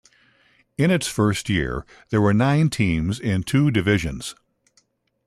In its first year, there were nine teams in two divisions.